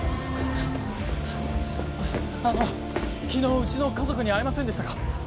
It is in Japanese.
あの昨日うちの家族に会いませんでしたか？